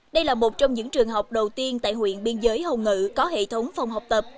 đây là một trong những trường học đầu tiên tại huyện biên giới hồng ngự có hệ thống phòng học tập